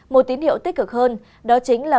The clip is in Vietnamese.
một tín hiệu tích cực hơn đó chính là